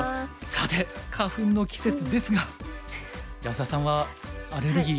さて花粉の季節ですが安田さんはアレルギー大丈夫ですか？